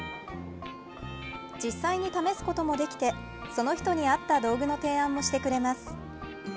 実際に試すこともできてその人に合った道具の提案もしてくれます。